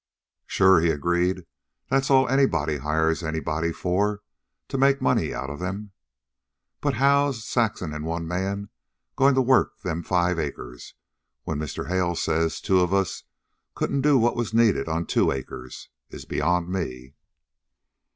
"Sure," he agreed. "That's all anybody hires any body for to make money outa 'm. But how Saxon an' one man are goin' to work them five acres, when Mr. Hale says two of us couldn't do what's needed on two acres, is beyond me."